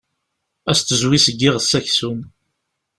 Ad as-tezwi seg yiɣes aksum.